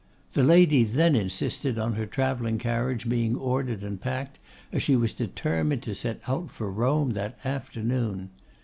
The lady then insisted on her travelling carriage being ordered and packed, as she was determined to set out for Rome that afternoon.